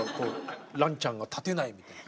ランちゃんが立てないみたいな。